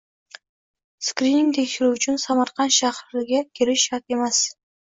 Skrining tekshiruvi uchun Samarqand shahriga kelish shart emasng